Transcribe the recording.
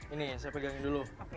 ini saya pegangin dulu